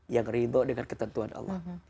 yang ridho dengan ketentuan allah